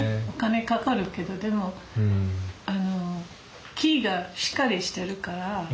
お金かかるけどでも木がしっかりしてるから。